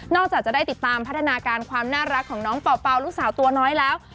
จากจะได้ติดตามพัฒนาการความน่ารักของน้องเป่าลูกสาวตัวน้อยแล้ว